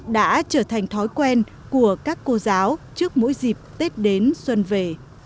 đã trở thành thói quen của các cô giáo trước mỗi dịp tết đến xuân về